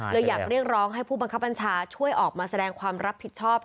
เลยอยากเรียกร้องให้ผู้บังคับบัญชาช่วยออกมาแสดงความรับผิดชอบ